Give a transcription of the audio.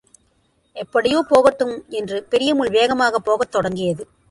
எப்படியோ போகட்டும் என்று பெரியமுள் வேகமாகப் போகத் தொடங்கியது.